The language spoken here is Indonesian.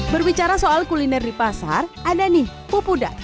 berbicara soal kuliner di pasar ada nih pupuda